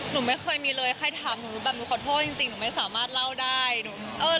หนูไม่เคยมีเลยใครถามหนูแบบหนูขอโทษจริงหนูไม่สามารถเล่าได้หนูเออ